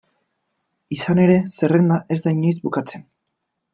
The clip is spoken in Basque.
Izan ere, zerrenda ez da inoiz bukatzen.